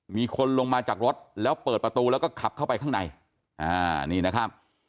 มีคนลงมาจากรถแล้วเปิดประตูแล้วก็ขับเข้าไปข้างในอ่านี่นะครับ